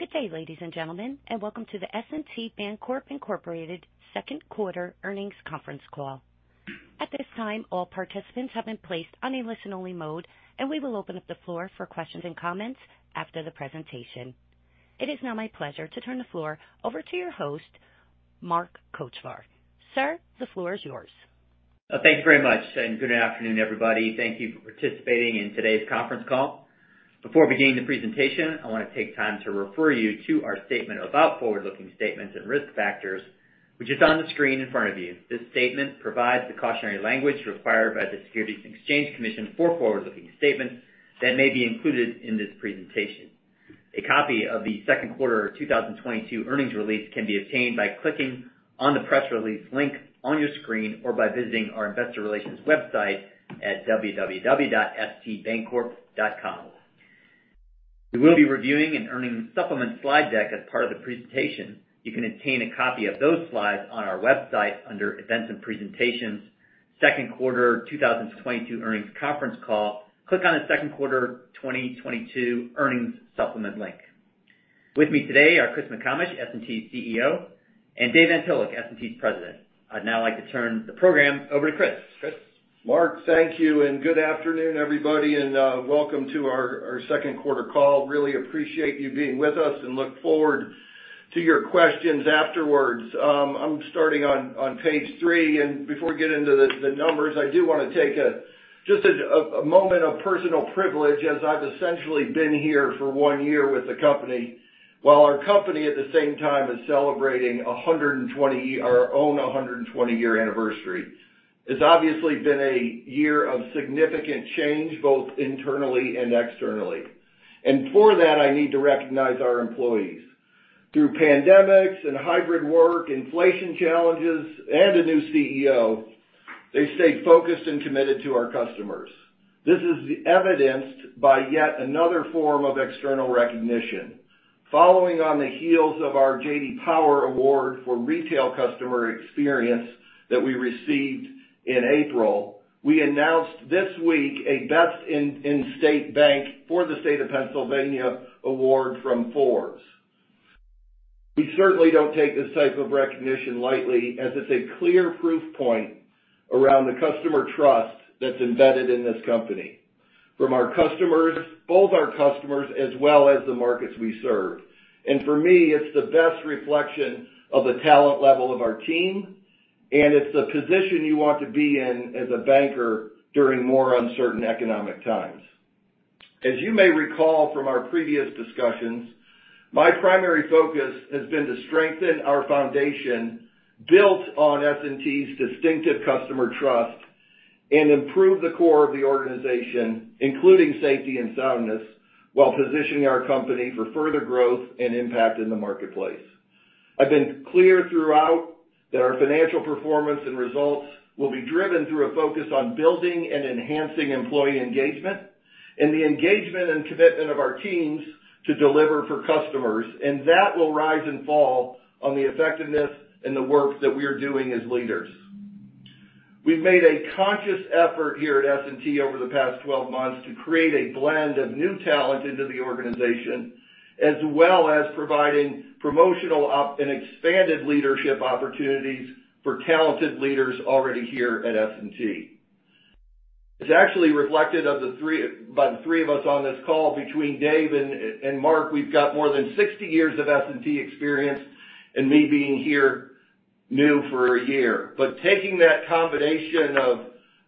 Good day, ladies and gentlemen, and welcome to the S&T Bancorp, Inc. Second Quarter earnings conference call. At this time, all participants have been placed on a listen-only mode, and we will open up the floor for questions and comments after the presentation. It is now my pleasure to turn the floor over to your host, Mark Kochvar. Sir, the floor is yours. Thank you very much and good afternoon, everybody. Thank you for participating in today's conference call. Before beginning the presentation, I wanna take time to refer you to our statement about forward-looking statements and risk factors, which is on the screen in front of you. This statement provides the cautionary language required by the Securities and Exchange Commission for forward-looking statements that may be included in this presentation. A copy of the second quarter of 2022 earnings release can be obtained by clicking on the Press Release link on your screen or by visiting our investor relations website at stbancorp.com. We will be reviewing an earnings supplement slide deck as part of the presentation. You can obtain a copy of those slides on our website under Events and Presentations Second Quarter 2022 Earnings Conference Call. Click on the Second Quarter 2022 Earnings Supplement link. With me today are Chris McComish, S&T's CEO, and Dave Antolik, S&T's President. I'd now like to turn the program over to Chris. Chris? Mark, thank you, and good afternoon, everybody, and welcome to our second quarter call. Really appreciate you being with us and look forward to your questions afterwards. I'm starting on page three, and before we get into the numbers, I do wanna take just a moment of personal privilege as I've essentially been here for one year with the company, while our company, at the same time, is celebrating our own 120-year anniversary. It's obviously been a year of significant change, both internally and externally. For that, I need to recognize our employees. Through pandemics and hybrid work, inflation challenges, and a new CEO, they stayed focused and committed to our customers. This is evidenced by yet another form of external recognition. Following on the heels of our J.D. Power Award for retail customer experience that we received in April. We announced this week a Best in State Bank for the State of Pennsylvania award from Forbes. We certainly don't take this type of recognition lightly, as it's a clear proof point around the customer trust that's embedded in this company, from our customers, both our customers as well as the markets we serve. For me, it's the best reflection of the talent level of our team, and it's the position you want to be in as a banker during more uncertain economic times. As you may recall from our previous discussions, my primary focus has been to strengthen our foundation built on S&T's distinctive customer trust and improve the core of the organization, including safety and soundness, while positioning our company for further growth and impact in the marketplace. I've been clear throughout that our financial performance and results will be driven through a focus on building and enhancing employee engagement and the engagement and commitment of our teams to deliver for customers, and that will rise and fall on the effectiveness and the work that we are doing as leaders. We've made a conscious effort here at S&T over the past 12 months to create a blend of new talent into the organization, as well as providing promotional and expanded leadership opportunities for talented leaders already here at S&T. It's actually reflected of the three, by the three of us on this call. Between Dave and Mark, we've got more than 60 years of S&T experience and me being here new for a year. Taking that combination of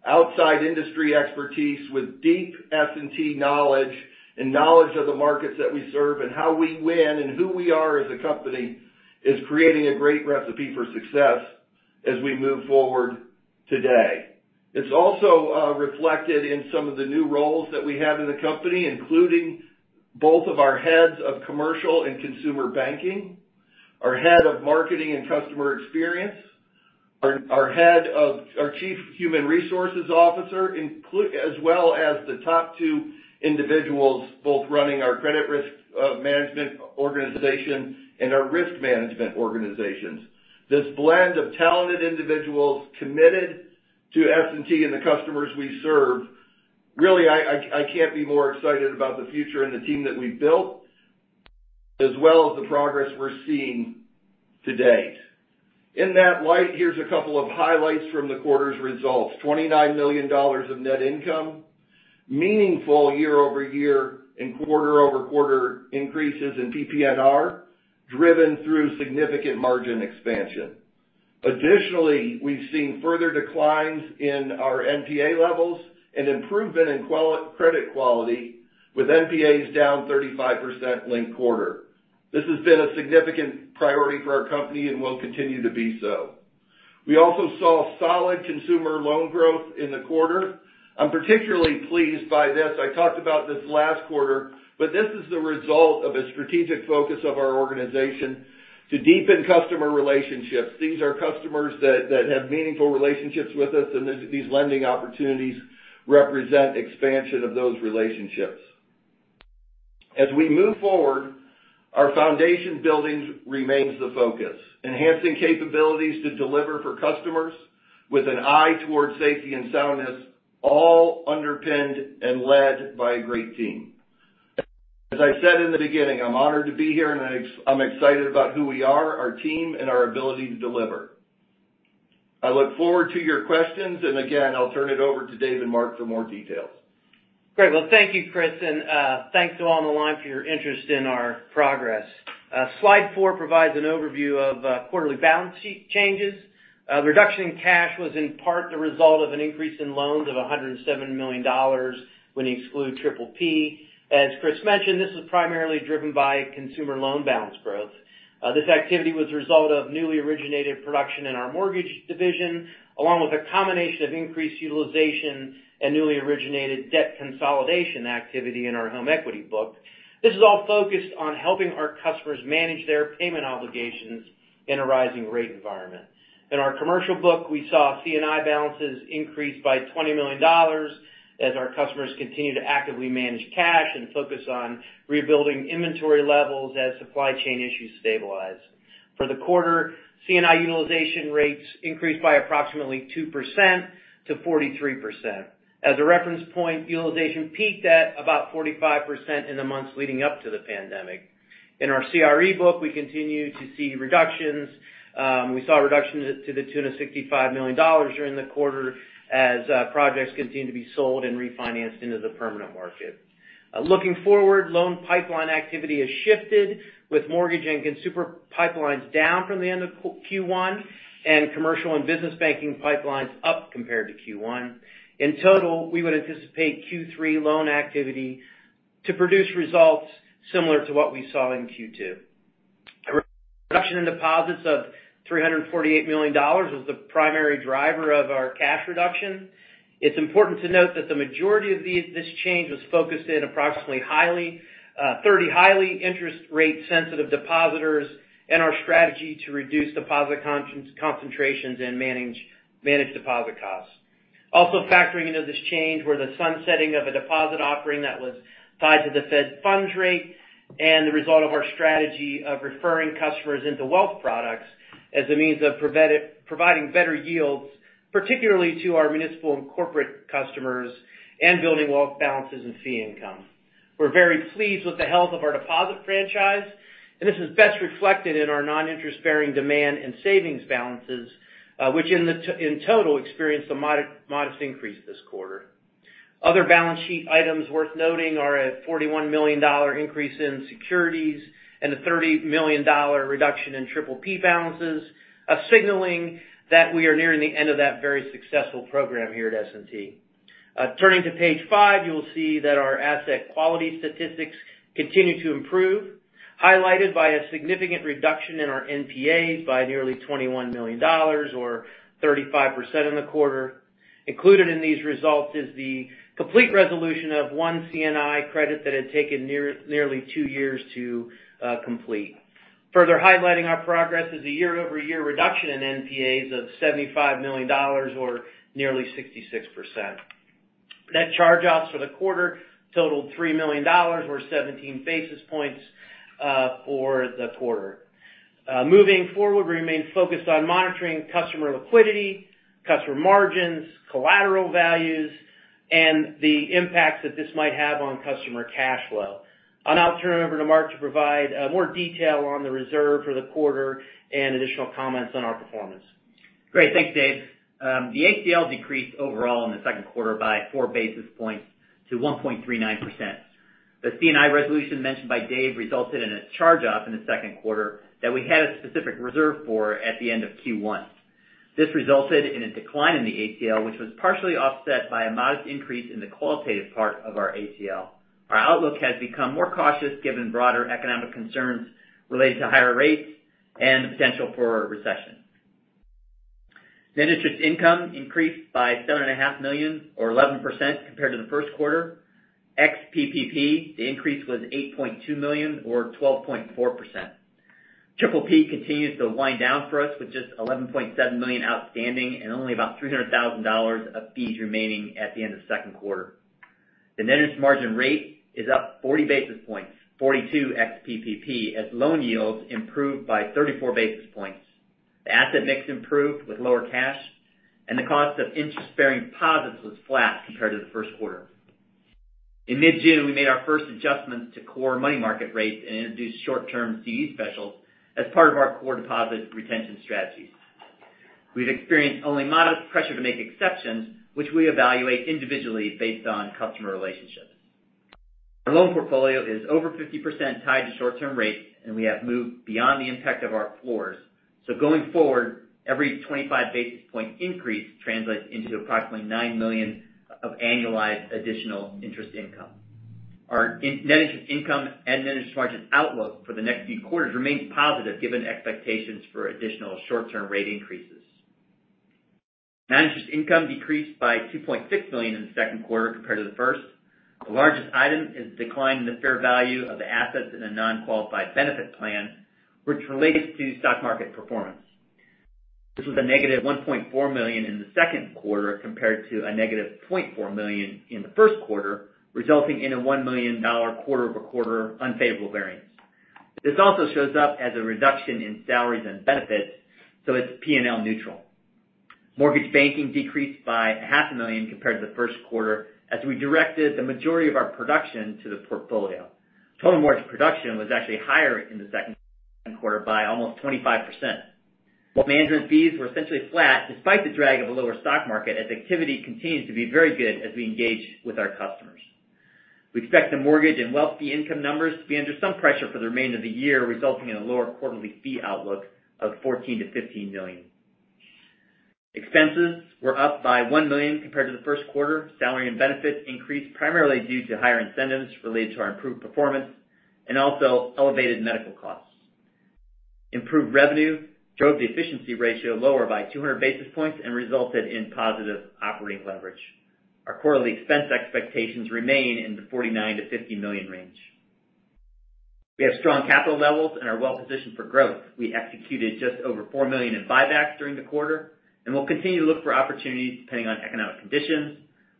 outside industry expertise with deep S&T knowledge and knowledge of the markets that we serve and how we win and who we are as a company is creating a great recipe for success as we move forward today. It's also reflected in some of the new roles that we have in the company, including both of our heads of commercial and consumer banking, our head of marketing and customer experience, our chief human resources officer, as well as the top two individuals both running our credit risk management organization and our risk management organizations. This blend of talented individuals committed to S&T and the customers we serve, really, I can't be more excited about the future and the team that we've built, as well as the progress we're seeing to date. In that light, here's a couple of highlights from the quarter's results. $29 million of net income, meaningful year-over-year and quarter-over-quarter increases in PPNR, driven through significant margin expansion. Additionally, we've seen further declines in our NPA levels, an improvement in credit quality with NPAs down 35% linked quarter. This has been a significant priority for our company and will continue to be so. We also saw solid consumer loan growth in the quarter. I'm particularly pleased by this. I talked about this last quarter, but this is the result of a strategic focus of our organization to deepen customer relationships. These are customers that have meaningful relationships with us, and these lending opportunities represent expansion of those relationships. As we move forward, our foundation buildings remains the focus, enhancing capabilities to deliver for customers. With an eye towards safety and soundness, all underpinned and led by a great team. As I said in the beginning, I'm honored to be here, and I'm excited about who we are, our team, and our ability to deliver. I look forward to your questions, and again, I'll turn it over to Dave and Mark for more details. Great. Well, thank you, Chris, and thanks to all on the line for your interest in our progress. Slide four provides an overview of quarterly balance sheet changes. The reduction in cash was in part the result of an increase in loans of $107 million when you exclude PPP. As Chris mentioned, this was primarily driven by consumer loan balance growth. This activity was a result of newly originated production in our mortgage division, along with a combination of increased utilization and newly originated debt consolidation activity in our home equity book. This is all focused on helping our customers manage their payment obligations in a rising rate environment. In our commercial book, we saw C&I balances increase by $20 million as our customers continue to actively manage cash and focus on rebuilding inventory levels as supply chain issues stabilize. For the quarter, C&I utilization rates increased by approximately 2% to 43%. As a reference point, utilization peaked at about 45% in the months leading up to the pandemic. In our CRE book, we continue to see reductions. We saw a reduction to the tune of $65 million during the quarter as projects continue to be sold and refinanced into the permanent market. Looking forward, loan pipeline activity has shifted with mortgage and consumer pipelines down from the end of Q1, and commercial and business banking pipelines up compared to Q1. In total, we would anticipate Q3 loan activity to produce results similar to what we saw in Q2. A reduction in deposits of $348 million was the primary driver of our cash reduction. It's important to note that the majority of this change was focused in approximately 30 highly interest rate sensitive depositors and our strategy to reduce deposit concentrations and manage deposit costs. Also factoring into this change were the sunsetting of a deposit offering that was tied to the Fed funds rate and the result of our strategy of referring customers into wealth products as a means of providing better yields, particularly to our municipal and corporate customers and building wealth balances and fee income. We're very pleased with the health of our deposit franchise, and this is best reflected in our non-interest-bearing demand and savings balances, which in total experienced a modest increase this quarter. Other balance sheet items worth noting are a $41 million increase in securities and a $30 million reduction in PPP balances, signaling that we are nearing the end of that very successful program here at S&T. Turning to page 5, you'll see that our asset quality statistics continue to improve, highlighted by a significant reduction in our NPAs by nearly $21 million or 35% in the quarter. Included in these results is the complete resolution of one C&I credit that had taken nearly two years to complete. Further highlighting our progress is a year-over-year reduction in NPAs of $75 million or nearly 66%. Net charge-offs for the quarter totaled $3 million or 17 basis points for the quarter. Moving forward, we remain focused on monitoring customer liquidity, customer margins, collateral values, and the impacts that this might have on customer cash flow. I'll turn it over to Mark to provide more detail on the reserve for the quarter and additional comments on our performance. Great. Thanks, Dave. The ACL decreased overall in the second quarter by four basis points to 1.39%. The C&I resolution mentioned by Dave resulted in a charge-off in the second quarter that we had a specific reserve for at the end of Q1. This resulted in a decline in the ACL, which was partially offset by a modest increase in the qualitative part of our ACL. Our outlook has become more cautious given broader economic concerns related to higher rates and the potential for a recession. Net interest income increased by $7.5 million or 11% compared to the first quarter. Ex PPP, the increase was $8.2 million or 12.4%. PPP continues to wind down for us with just $11.7 million outstanding and only about $300,000 of fees remaining at the end of the second quarter. The net interest margin rate is up 40 basis points, 42 ex PPP, as loan yields improved by 34 basis points. The asset mix improved with lower cash, and the cost of interest-bearing deposits was flat compared to the first quarter. In mid-June, we made our first adjustments to core money market rates and introduced short-term CD specials as part of our core deposit retention strategies. We've experienced only modest pressure to make exceptions, which we evaluate individually based on customer relationships. Our loan portfolio is over 50% tied to short-term rates, and we have moved beyond the impact of our floors. Going forward, every 25 basis point increase translates into approximately $9 million of annualized additional interest income. Our net interest income and net interest margin outlook for the next few quarters remains positive given expectations for additional short-term rate increases. Net interest income decreased by $2.6 million in the second quarter compared to the first. The largest item is the decline in the fair value of assets in a non-qualified benefit plan, which relates to stock market performance. This was a negative $1.4 million in the second quarter compared to a negative $0.4 million in the first quarter, resulting in a $1 million quarter over quarter unfavorable variance. This also shows up as a reduction in salaries and benefits, so it's P&L neutral. Mortgage banking decreased by half a million compared to the first quarter as we directed the majority of our production to the portfolio. Total mortgage production was actually higher in the second quarter by almost 25%. Management fees were essentially flat despite the drag of a lower stock market as activity continues to be very good as we engage with our customers. We expect the mortgage and wealth fee income numbers to be under some pressure for the remainder of the year, resulting in a lower quarterly fee outlook of $14 million-$15 million. Expenses were up by $1 million compared to the first quarter. Salary and benefits increased primarily due to higher incentives related to our improved performance and also elevated medical costs. Improved revenue drove the efficiency ratio lower by 200 basis points and resulted in positive operating leverage. Our quarterly expense expectations remain in the $49 million-$50 million range. We have strong capital levels and are well positioned for growth. We executed just over $4 million in buybacks during the quarter, and we'll continue to look for opportunities depending on economic conditions,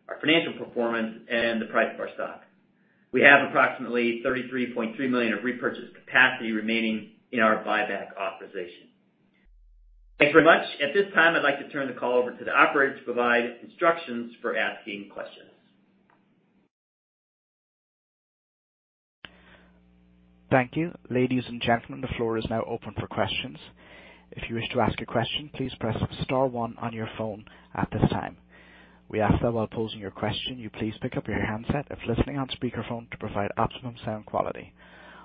our financial performance, and the price of our stock. We have approximately $33.3 million of repurchased capacity remaining in our buyback authorization. Thanks very much. At this time, I'd like to turn the call over to the operator to provide instructions for asking questions. Thank you. Ladies and gentlemen, the floor is now open for questions. If you wish to ask a question, please press star one on your phone at this time. We ask that while posing your question, you please pick up your handset if listening on speakerphone to provide optimum sound quality.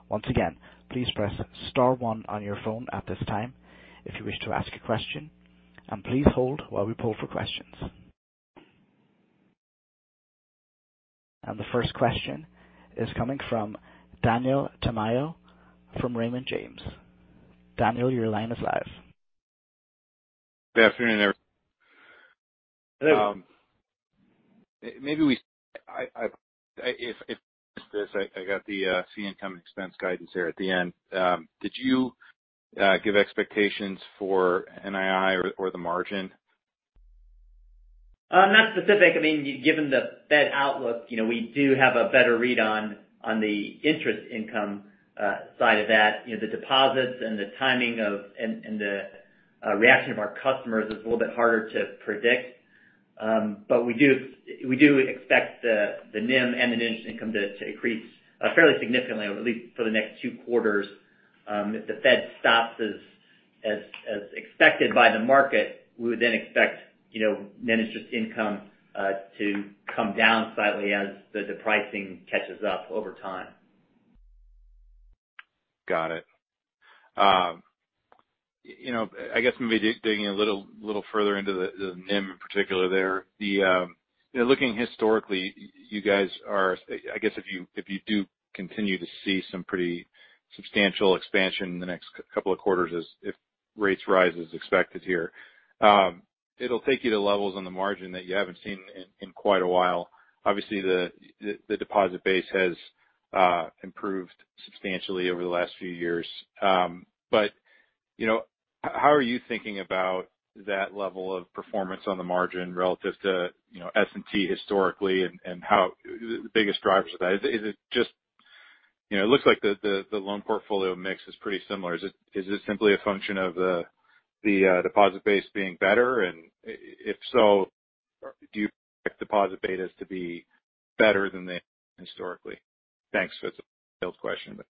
Once again, please press star one on your phone at this time if you wish to ask a question, and please hold while we poll for questions. The first question is coming from Daniel Tamayo from Raymond James. Daniel, your line is live. Good afternoon, everyone. Hello. I got the fee income expense guidance there at the end. Did you give expectations for NII or the margin? Not specific. I mean, given the Fed outlook, you know, we do have a better read on the interest income side of that. You know, the deposits and the timing and the reaction of our customers is a little bit harder to predict. We do expect the NIM and the net interest income to increase fairly significantly, at least for the next two quarters. If the Fed stops as expected by the market, we would then expect, you know, net interest income to come down slightly as the pricing catches up over time. Got it. You know, I guess maybe digging a little further into the NIM in particular there. You know, looking historically, you guys are, I guess if you do continue to see some pretty substantial expansion in the next couple of quarters as rates rise as expected here, it'll take you to levels on the margin that you haven't seen in quite a while. Obviously, the deposit base has improved substantially over the last few years. You know, how are you thinking about that level of performance on the margin relative to, you know, S&T historically and what the biggest drivers of that? Is it just, you know, it looks like the loan portfolio mix is pretty similar. Is it simply a function of the deposit base being better? If so, do you expect deposit betas to be better than they historically? Thanks. That's a detailed question, but.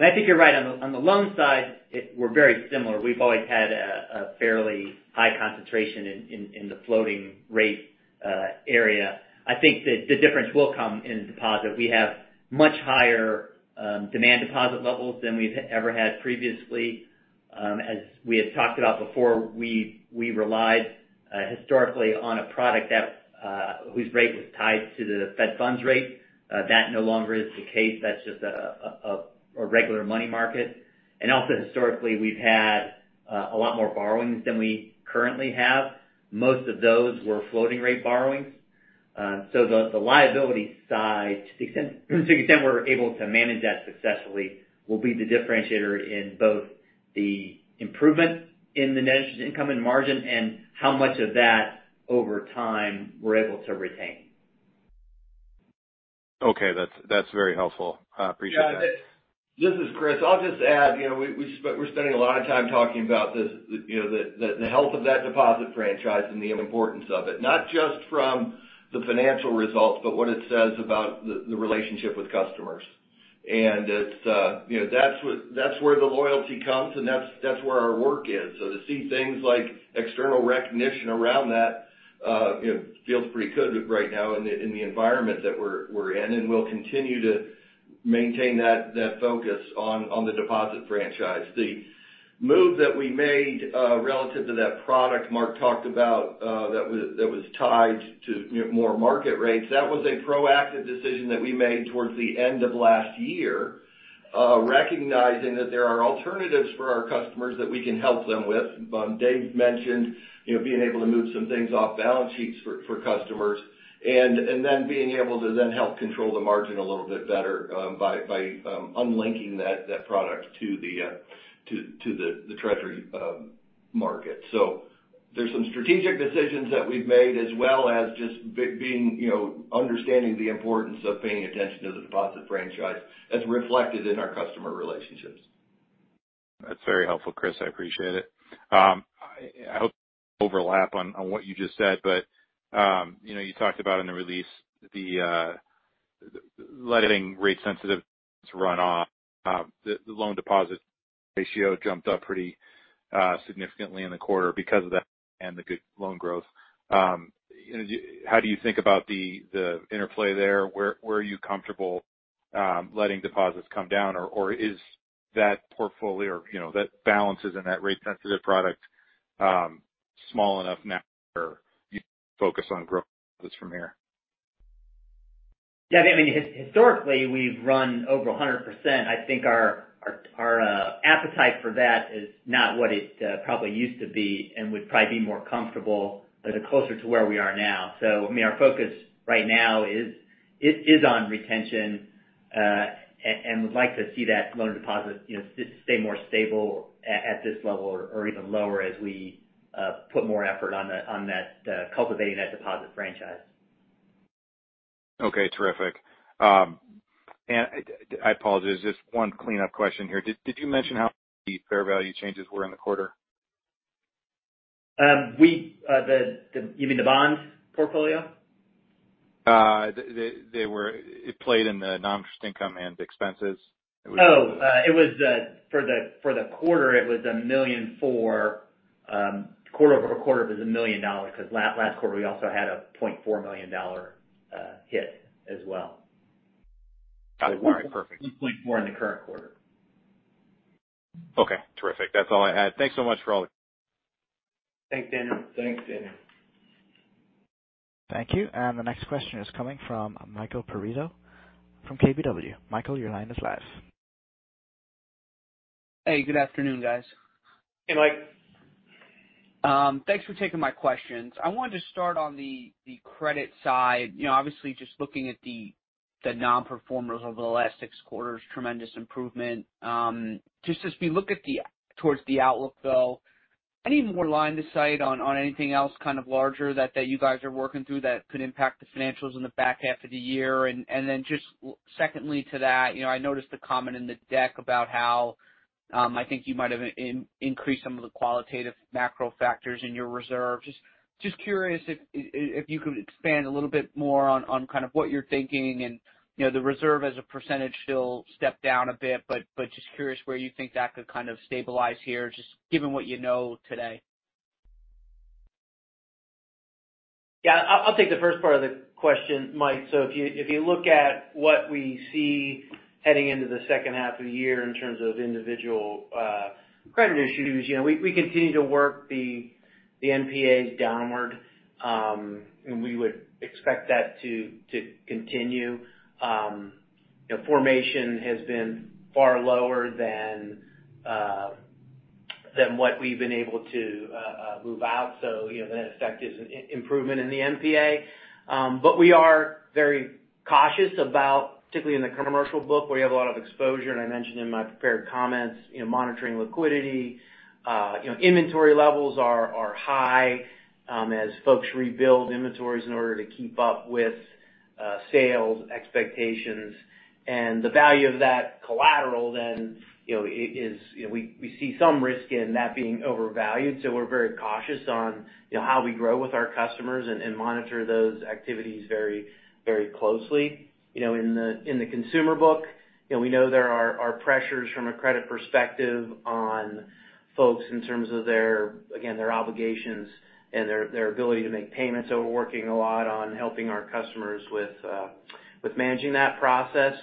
I think you're right. On the loan side, we're very similar. We've always had a fairly high concentration in the floating rate area. I think that the difference will come in deposit. We have much higher demand deposit levels than we've ever had previously. As we had talked about before, we relied historically on a product that whose rate was tied to the Federal funds rate. That no longer is the case. That's just a regular money market. Also historically, we've had a lot more borrowings than we currently have. Most of those were floating rate borrowings. The liability side, to the extent we're able to manage that successfully, will be the differentiator in both the improvement in the net interest income and margin and how much of that over time we're able to retain. Okay. That's very helpful. I appreciate that. Yeah, this is Chris. I'll just add, you know, we're spending a lot of time talking about this, you know, the health of that deposit franchise and the importance of it, not just from the financial results, but what it says about the relationship with customers. It's, you know, that's what, that's where the loyalty comes, and that's where our work is. To see things like external recognition around that, you know, feels pretty good right now in the environment that we're in, and we'll continue to maintain that focus on the deposit franchise. The move that we made relative to that product Mark talked about, that was tied to, you know, more market rates, that was a proactive decision that we made towards the end of last year, recognizing that there are alternatives for our customers that we can help them with. Dave mentioned, you know, being able to move some things off balance sheets for customers and then being able to help control the margin a little bit better by unlinking that product to the treasury market. There's some strategic decisions that we've made, as well as just being, you know, understanding the importance of paying attention to the deposit franchise that's reflected in our customer relationships. That's very helpful, Chris. I appreciate it. I'll overlap on what you just said, but you know, you talked about in the release the letting rate-sensitive run off, the loan-to-deposit ratio jumped up pretty significantly in the quarter because of that and the good loan growth. How do you think about the interplay there? Where are you comfortable letting deposits come down? Or is that portfolio, you know, that balances in that rate-sensitive product small enough now for you to focus on growth from here? Yeah, I mean, historically, we've run over 100%. I think our appetite for that is not what it probably used to be and would probably be more comfortable at a closer to where we are now. I mean, our focus right now is on retention and would like to see that loan-to-deposit, you know, just stay more stable at this level or even lower as we put more effort on that cultivating that deposit franchise. Okay. Terrific. I apologize, just one cleanup question here. Did you mention how the fair value changes were in the quarter? You mean the bonds portfolio? It played in the non-interest income and expenses. It was for the quarter $1.4 million. Quarter-over-quarter was $1 million because last quarter we also had a $0.4 million hit as well. All right. Perfect. 1 point more in the current quarter. Okay. Terrific. That's all I had. Thanks so much for all. Thanks, Daniel. Thanks, Daniel. Thank you. The next question is coming from Michael Perito from KBW. Michael, your line is live. Hey, good afternoon, guys. Hey, Mike. Thanks for taking my questions. I wanted to start on the credit side. You know, obviously just looking at the non-performers over the last six quarters, tremendous improvement. Just as we look towards the outlook, though, any more line of sight on anything else kind of larger that you guys are working through that could impact the financials in the back half of the year? Then just secondly to that, you know, I noticed the comment in the deck about how I think you might have increased some of the qualitative macro factors in your reserve. Just curious if you could expand a little bit more on kind of what you're thinking and, you know, the reserve as a percentage still step down a bit, but just curious where you think that could kind of stabilize here, just given what you know today? Yeah. I'll take the first part of the question, Mike. If you look at what we see heading into the second half of the year in terms of individual credit issues, you know, we continue to work the NPAs downward, and we would expect that to continue. You know, formation has been far lower than what we've been able to move out. You know, the net effect is an improvement in the NPA. But we are very cautious about, particularly in the commercial book, where we have a lot of exposure. I mentioned in my prepared comments, you know, monitoring liquidity. You know, inventory levels are high as folks rebuild inventories in order to keep up with sales expectations. The value of that collateral then, you know, is, you know, we see some risk in that being overvalued. We're very cautious on, you know, how we grow with our customers and monitor those activities very closely. You know, in the consumer book, you know, we know there are pressures from a credit perspective on folks in terms of their, again, their obligations and their ability to make payments. We're working a lot on helping our customers with managing that process.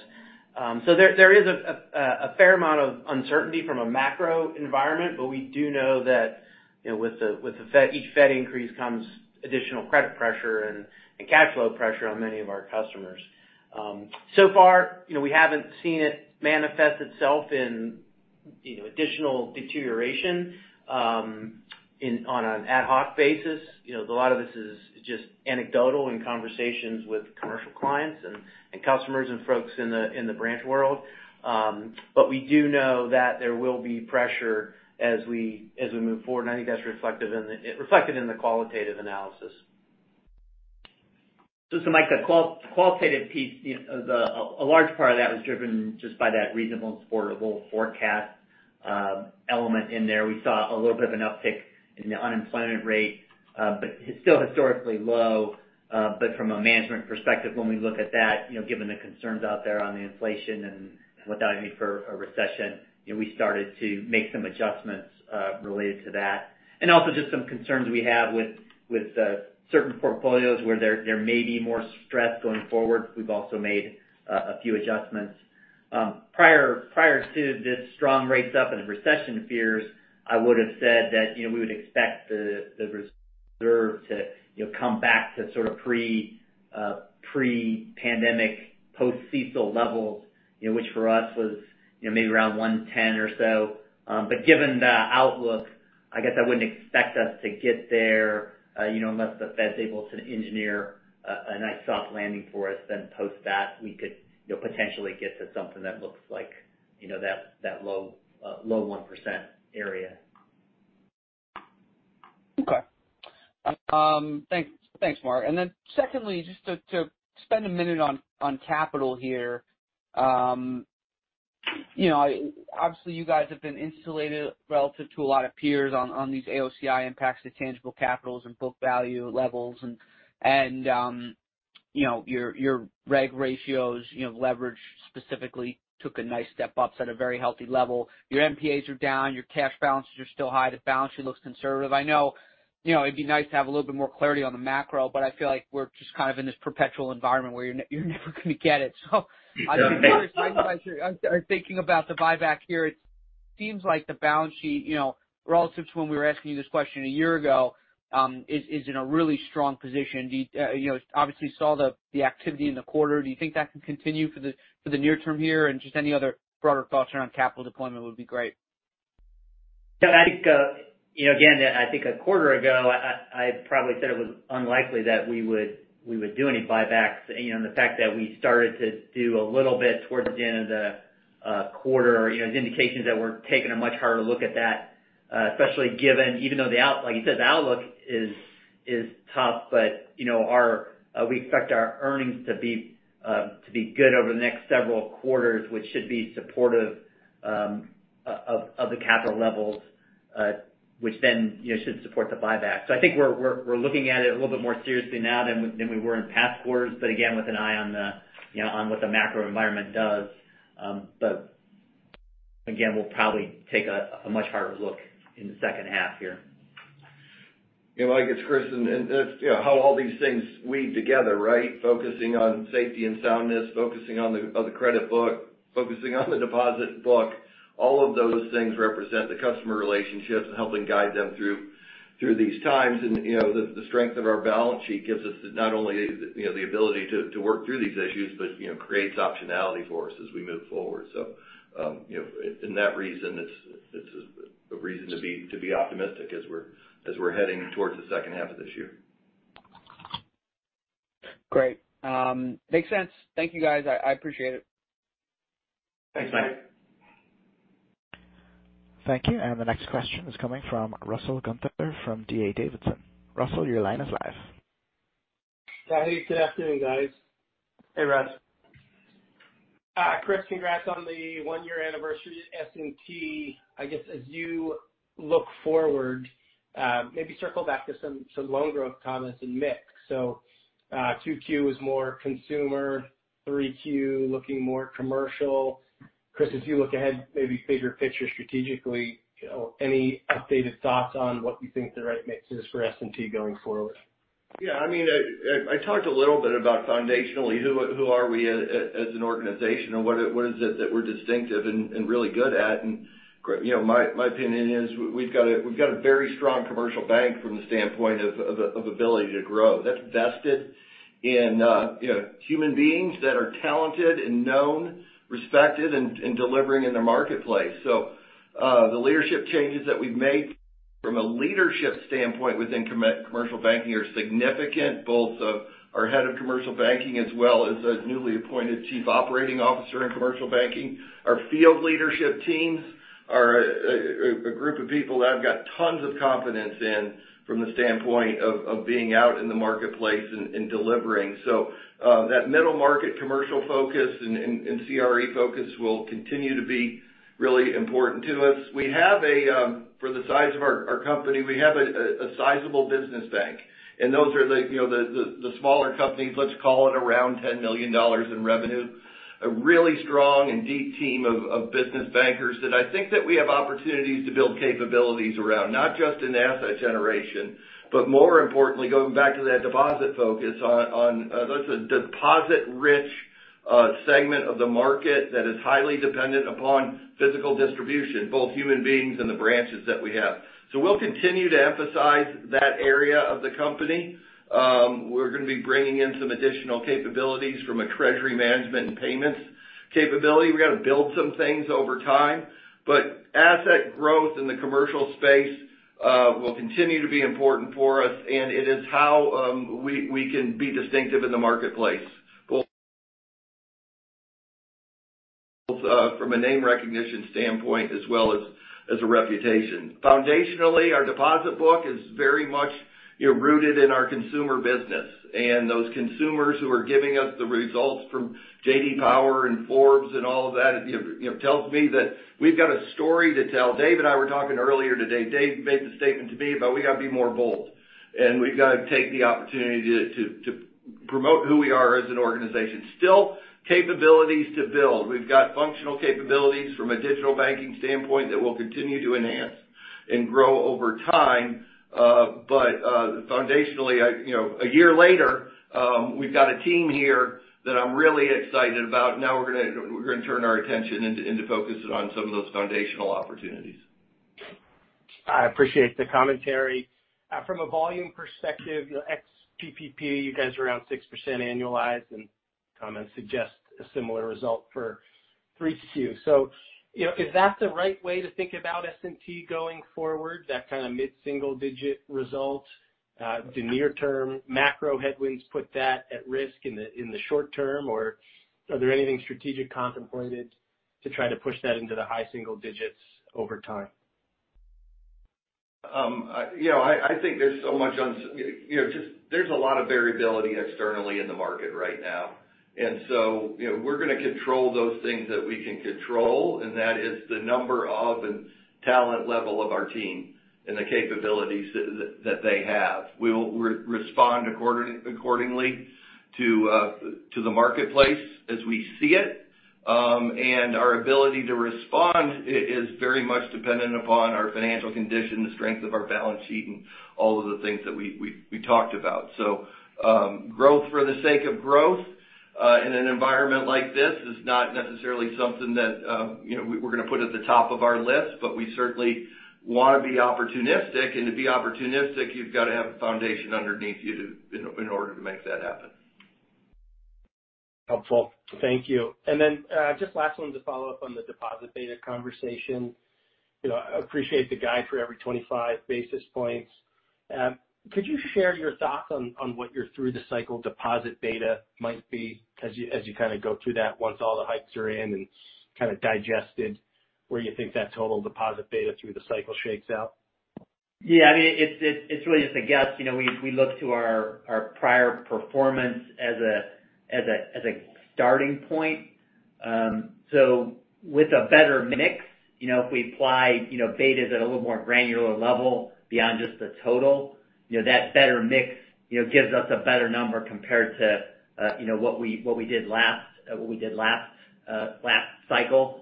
There is a fair amount of uncertainty from a macro environment, but we do know that, you know, with the Fed, each Fed increase comes additional credit pressure and cash flow pressure on many of our customers. So far, you know, we haven't seen it manifest itself in, you know, additional deterioration on an ad hoc basis. You know, a lot of this is just anecdotal in conversations with commercial clients and customers and folks in the branch world. We do know that there will be pressure as we move forward, and I think that's reflected in the qualitative analysis. Just to Michael, the qualitative piece, you know, a large part of that was driven just by that reasonable and supportable forecast element in there. We saw a little bit of an uptick in the unemployment rate, but it's still historically low. From a management perspective, when we look at that, you know, given the concerns out there on the inflation and what that would mean for a recession, you know, we started to make some adjustments related to that. Also just some concerns we have with certain portfolios where there may be more stress going forward. We've also made a few adjustments. Prior to this strong rates up and recession fears, I would have said that, you know, we would expect the reserve to, you know, come back to sort of pre-pandemic post CECL levels, you know, which for us was, you know, maybe around 1.10 or so. Given the outlook, I guess I wouldn't expect us to get there, you know, unless the Fed's able to engineer a nice soft landing for us, then post that we could, you know, potentially get to something that looks like, you know, that low 1% area. Okay. Thanks, Mark. Then secondly, just to spend a minute on capital here. You know, obviously you guys have been insulated relative to a lot of peers on these AOCI impacts to tangible capitals and book value levels. You know, your reg ratios, you know, leverage specifically took a nice step up, set a very healthy level. Your NPAs are down, your cash balances are still high. The balance sheet looks conservative. I know, you know, it'd be nice to have a little bit more clarity on the macro but I feel like we're just kind of in this perpetual environment where you're never gonna get it. I'd be curious how you guys are thinking about the buyback here. It seems like the balance sheet, you know, relative to when we were asking you this question a year ago, is in a really strong position. Do you know, obviously saw the activity in the quarter. Do you think that can continue for the near term here? Just any other broader thoughts around capital deployment would be great. Yeah, I think, you know, again, I think a quarter ago, I probably said it was unlikely that we would do any buybacks. You know, the fact that we started to do a little bit towards the end of the quarter, you know, is indications that we're taking a much harder look at that, especially given even though like you said, the outlook is tough but, you know, we expect our earnings to be good over the next several quarters, which should be supportive of the capital levels, which then, you know, should support the buyback. I think we're looking at it a little bit more seriously now than we were in past quarters, but again, with an eye on the, you know, on what the macro environment does. Again, we'll probably take a much harder look in the second half here. You know, I guess, Chris, and that's, you know, how all these things weave together, right? Focusing on safety and soundness, focusing on the credit book, focusing on the deposit book, all of those things represent the customer relationships and helping guide them through these times. You know, the strength of our balance sheet gives us not only, you know, the ability to work through these issues, but, you know, creates optionality for us as we move forward. You know, that's a reason to be optimistic as we're heading towards the second half of this year. Great. Makes sense. Thank you guys. I appreciate it. Thanks. Thanks. Thank you. The next question is coming from Russell Gunther from D.A. Davidson. Russell, your line is live. Yeah. Good afternoon, guys. Hey, Russ. Chris, congrats on the one-year anniversary at S&T. I guess as you look forward, maybe circle back to some loan growth comments and mix. 2Q was more consumer, 3Q looking more commercial. Chris, as you look ahead, maybe bigger picture strategically, you know, any updated thoughts on what you think the right mix is for S&T going forward? Yeah. I mean, I talked a little bit about foundationally who we are as an organization and what is it that we're distinctive and really good at. You know, my opinion is we've got a very strong commercial bank from the standpoint of ability to grow. That's vested in, you know, human beings that are talented and known, respected, and delivering in their marketplace. The leadership changes that we've made from a leadership standpoint within commercial banking are significant, both of our head of commercial banking as well as a newly appointed chief operating officer in commercial banking. Our field leadership teams are a group of people that I've got tons of confidence in from the standpoint of being out in the marketplace and delivering. That middle market commercial focus and CRE focus will continue to be really important to us. We have, for the size of our company, a sizable business bank, and those are, you know, the smaller companies, let's call it around $10 million in revenue. A really strong and deep team of business bankers that I think we have opportunities to build capabilities around, not just in asset generation, but more importantly, going back to that deposit focus on, that's a deposit-rich segment of the market that is highly dependent upon physical distribution, both human beings and the branches that we have. We'll continue to emphasize that area of the company. We're gonna be bringing in some additional capabilities from a treasury management and payments capability. We're gonna build some things over time, but asset growth in the commercial space will continue to be important for us, and it is how we can be distinctive in the marketplace, both from a name recognition standpoint as well as a reputation. Foundationally, our deposit book is very much, you know, rooted in our consumer business. Those consumers who are giving us the results from J.D. Power and Forbes and all of that, you know, tells me that we've got a story to tell. Dave and I were talking earlier today. Dave made the statement to me about we gotta be more bold, and we've got to take the opportunity to promote who we are as an organization. Still capabilities to build. We've got functional capabilities from a digital banking standpoint that we'll continue to enhance and grow over time. Foundationally, I, you know, a year later, we've got a team here that I'm really excited about. Now we're gonna turn our attention into focusing on some of those foundational opportunities. I appreciate the commentary. From a volume perspective, you know, ex PPP, you guys are around 6% annualized, and comments suggest a similar result for 3Q. You know, is that the right way to think about S&T going forward, that kind of mid-single digit result? Do near-term macro headwinds put that at risk in the short term, or are there anything strategic contemplated to try to push that into the high single digits over time? You know, just there's a lot of variability externally in the market right now. You know, we're gonna control those things that we can control, and that is the number and talent level of our team and the capabilities that they have. We will respond accordingly to the marketplace as we see it. Our ability to respond is very much dependent upon our financial condition, the strength of our balance sheet, and all of the things that we talked about. Growth for the sake of growth in an environment like this is not necessarily something that you know, we're gonna put at the top of our list, but we certainly wanna be opportunistic. To be opportunistic, you've gotta have the foundation underneath you in order to make that happen. Helpful. Thank you. Just last one to follow up on the deposit beta conversation. You know, I appreciate the guide for every 25 basis points. Could you share your thoughts on what your through the cycle deposit beta might be as you kind of go through that once all the hikes are in and kind of digested, where you think that total deposit beta through the cycle shakes out? Yeah. I mean, it's really just a guess. You know, we look to our prior performance as a starting point. With a better mix, you know, if we apply, you know, betas at a little more granular level beyond just the total, you know, that better mix, you know, gives us a better number compared to, you know, what we did last cycle.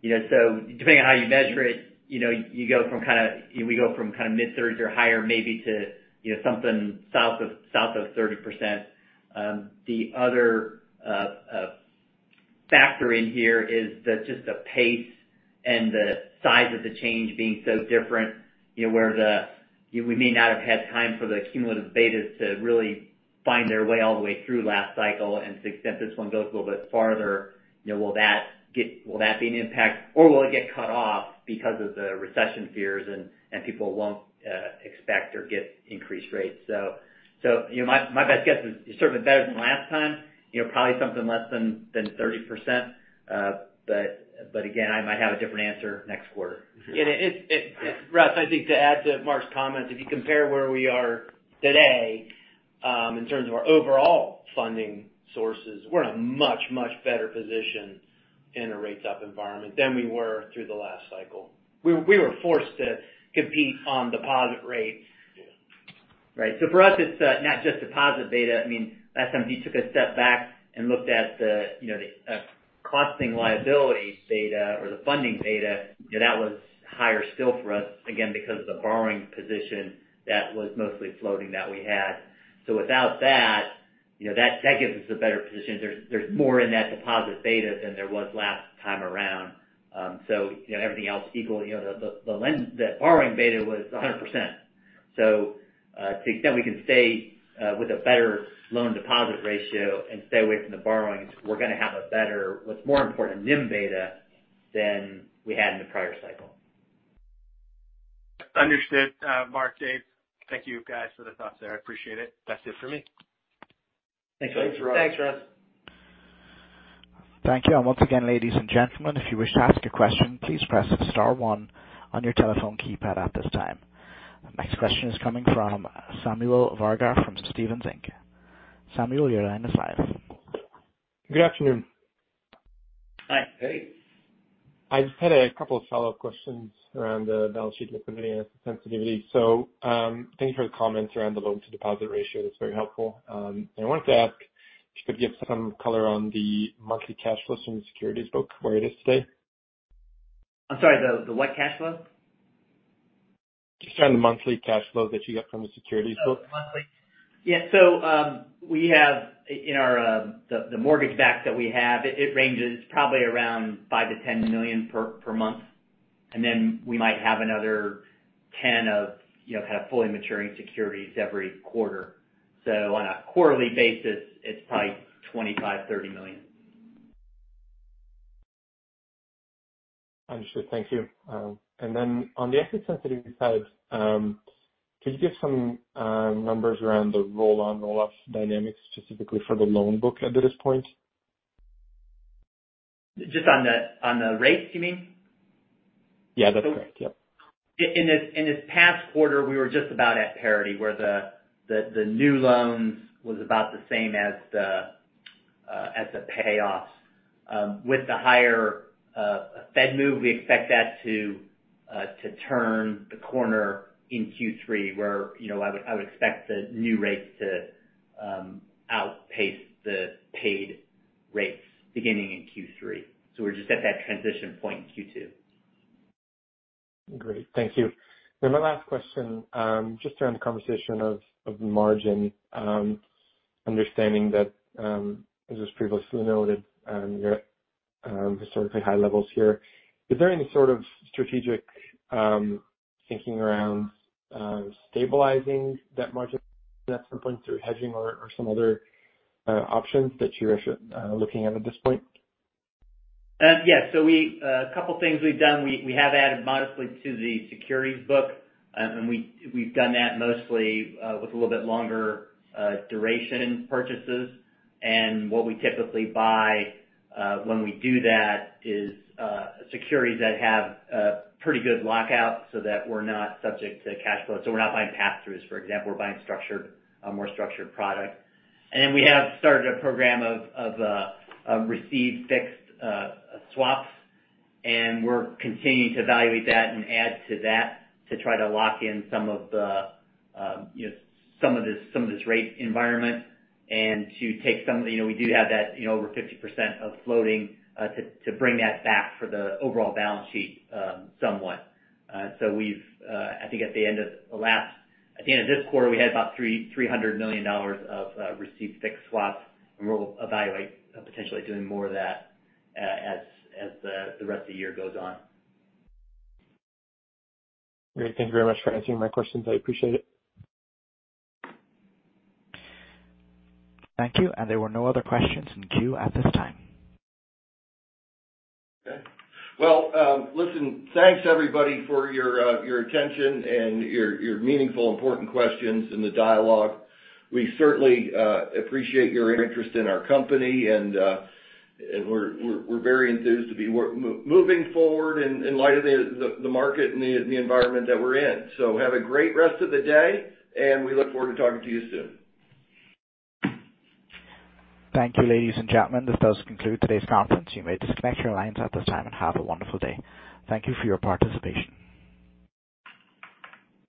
You know, depending on how you measure it, you know, we go from kinda mid-30s or higher maybe to, you know, something south of 30%. The other factor in here is just the pace and the size of the change being so different, you know, where we may not have had time for the cumulative betas to really find their way all the way through last cycle. To the extent this one goes a little bit farther, you know, will that be an impact or will it get cut off because of the recession fears and people won't expect or get increased rates? You know, my best guess is it's certainly better than last time. You know, probably something less than 30%. But again, I might have a different answer next quarter. Russ, I think to add to Mark's comments, if you compare where we are today, in terms of our overall funding sources, we're in a much better position in a rates up environment than we were through the last cycle. We were forced to compete on deposit rates. Yeah. Right. For us it's not just deposit beta. I mean, last time if you took a step back and looked at the, you know, the cost of liability beta or the funding beta, you know, that was higher still for us, again because of the borrowing position that was mostly floating that we had. Without that, you know, that gives us a better position. There's more in that deposit beta than there was last time around. You know, everything else equal, you know, the borrowing beta was 100%. To the extent we can stay with a better loan deposit ratio and stay away from the borrowings, we're gonna have a better, what's more important, NIM beta than we had in the prior cycle. Understood, Mark, Dave. Thank you guys for the thoughts there. I appreciate it. That's it for me. Thanks. Thanks, Russ. Thanks, Russ. Thank you. Once again, ladies and gentlemen, if you wish to ask a question, please press star one on your telephone keypad at this time. The next question is coming from Samuel Varga from Stephens Inc. Samuel, your line is live. Good afternoon. Hi. Hey. I just had a couple of follow-up questions around the balance sheet liquidity and asset sensitivity. Thank you for the comments around the loan to deposit ratio. That's very helpful. I wanted to ask if you could give some color on the monthly cash flows from the securities book, where it is today. I'm sorry, the what cash flow? Just on the monthly cash flow that you get from the securities book. Oh, monthly. Yeah. We have in our the mortgage-backed that we have, it ranges probably around $5 million-$10 million per month. Then we might have another $10 million of, you know, kind of fully maturing securities every quarter. On a quarterly basis, it's probably $25 million-$30 million. Understood. Thank you. On the asset sensitivity side, could you give some numbers around the roll-on/roll-off dynamics specifically for the loan book under this point? Just on the rates, you mean? Yeah, that's correct. Yeah. In this past quarter we were just about at parity, where the new loans was about the same as the payoffs. With the higher Fed move, we expect that to turn the corner in Q3 where, you know, I would expect the new rates to outpace the paid rates beginning in Q3. We're just at that transition point in Q2. Great. Thank you. My last question, just around the conversation of margin, understanding that, as was previously noted, you're at historically high levels here. Is there any sort of strategic thinking around stabilizing that margin at some point through hedging or some other options that you're looking at this point? Yeah. A couple things we've done, we have added modestly to the securities book. We've done that mostly with a little bit longer duration purchases. What we typically buy when we do that is securities that have a pretty good lockout so that we're not subject to cash flow. We're not buying pass-throughs, for example, we're buying a more structured product. We have started a program of received fixed swaps, and we're continuing to evaluate that and add to that to try to lock in some of the, you know, some of this rate environment and to take some. You know, we do have that, you know, over 50% of floating to bring that back for the overall balance sheet, somewhat. I think at the end of this quarter, we had about $300 million of received fixed swaps, and we'll evaluate potentially doing more of that as the rest of the year goes on. Great. Thank you very much for answering my questions. I appreciate it. Thank you. There were no other questions in queue at this time. Okay. Well, listen, thanks, everybody, for your attention and your meaningful important questions and the dialogue. We certainly appreciate your interest in our company and we're very enthused to be moving forward in light of the market and the environment that we're in. Have a great rest of the day, and we look forward to talking to you soon. Thank you, ladies and gentlemen. This does conclude today's conference. You may disconnect your lines at this time and have a wonderful day. Thank you for your participation.